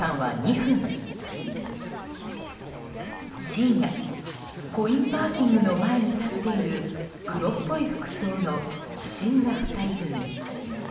深夜、コインパーキングの前に立っている黒っぽい服装の不審な２人組。